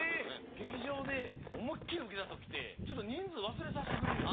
劇場で思いっきりウケたときってちょっと人数忘れさせてくれるよね。